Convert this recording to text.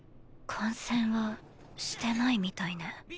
感染はしてないみたいね。